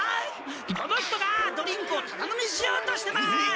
この人がドリンクをタダ飲みしようとしてます！